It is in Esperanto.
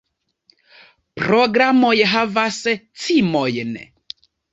Programoj havas cimojn!